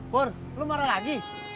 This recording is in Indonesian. pur lo marah lagi